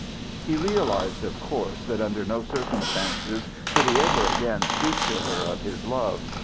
He realized, of course, that under no circumstances could he ever again speak to her of his love.